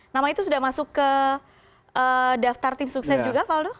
nama itu sudah masuk ke daftar tim sukses juga faldo